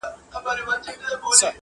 o ماجت د گوزو ځاى نه دئ٫